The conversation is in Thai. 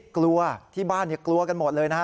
กลัวที่บ้านกลัวกันหมดเลยนะฮะ